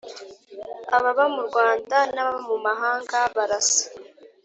ababa mu Rwanda n ababa mu mahanga barasa